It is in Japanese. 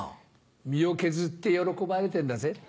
身を削って喜ばれてんだぜ。